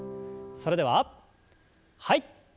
それでははい。